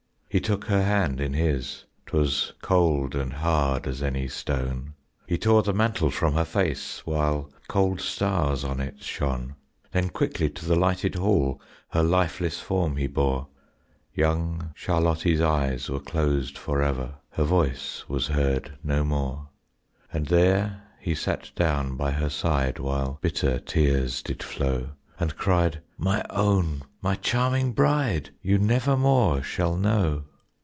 He took her hand in his; 'twas cold and hard as any stone. He tore the mantle from her face while cold stars on it shone. Then quickly to the lighted hall her lifeless form he bore; Young Charlottie's eyes were closed forever, her voice was heard no more. And there he sat down by her side while bitter tears did flow, And cried, "My own, my charming bride, you nevermore shall know."